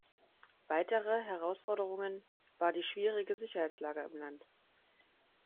Weitere Herausforderungen war die schwierige Sicherheitslage im Land.